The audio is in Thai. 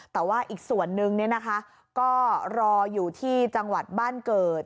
แต่ว่าอีกส่วนนึงก็รออยู่ที่จังหวัดบ้านเกิด